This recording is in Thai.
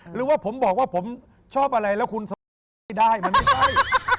หรือว่าผมบอกว่าผมชอบอะไรแล้วคุณสัมผัสไม่ได้มันไม่ใช่